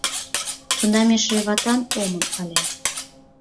Тунам эше ватан омыл ыле.